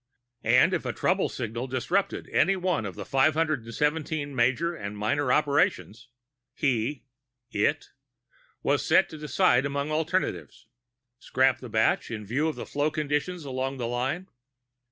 And if a trouble signal disturbed any one of the 517 major and minor operations, he it? was set to decide among alternatives: scrap the batch in view of flow conditions along the line?